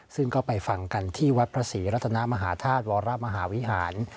ซึ่งก็ไปฟังกันที่วัดพระศรีรัตนามหาธาตุวรมหาวิหาร